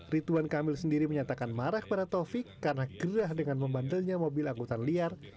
rituan kamil sendiri menyatakan marah kepada taufik karena gerah dengan membandelnya mobil angkutan liar